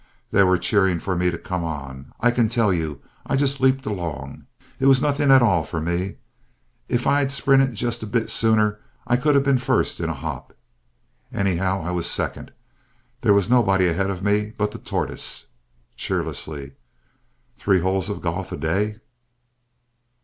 They were cheering for me to come on. I can tell you I just leaped along. It was nothing at all for me. If I'd sprinted just a bit sooner I could have been first in a hop. Anyhow, I was second. There was nobody ahead of me but the Tortoise. (Cheerlessly) Three holes of golf a day!